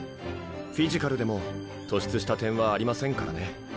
フィジカルでも突出した点はありませんからね。